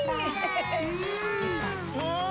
うん！